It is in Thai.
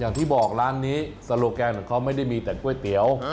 อย่างที่ร้านนี้โซโลแกนของเขาไม่ได้มีแต่ก๋วยเตี๋ยว